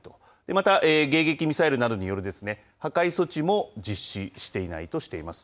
また迎撃ミサイルなどによる破壊措置も実施していないとしています。